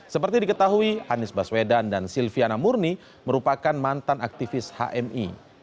seperti diketahui anies baswedan dan silviana murni merupakan mantan aktivis hmi